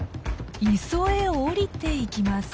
磯へ下りていきます。